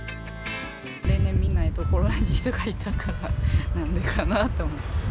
例年、見ない所に人がいたから、なんでかなと思って。